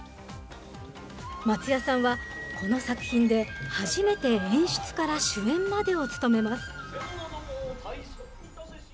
松也さんはこの作品で初めて演出から主演までを務めます。